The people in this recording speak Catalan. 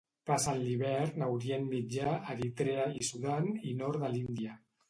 Passen l'hivern a Orient Mitjà, Eritrea i Sudan i nord de l'Índia.